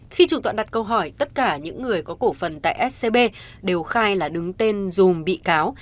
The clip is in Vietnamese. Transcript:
khi chủ tọa đặt câu hỏi tất cả những người có cổ phần tại scb đều khai là đứng tên dùm bị cáo